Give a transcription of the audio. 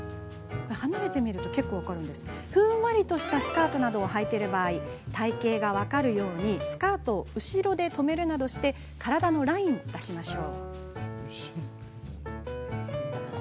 ふんわりとしたスカートなどをはいている場合は体形が分かるようにスカートを後ろで留めて体のラインを出しましょう。